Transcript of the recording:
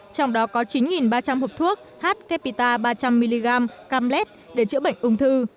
trong đó có chín ba trăm linh hộp thuốc h capita ba trăm linh mg camlet để chữa bệnh ung thư